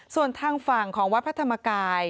ส่วนทางฝั่งของวัดพระธรรมกาย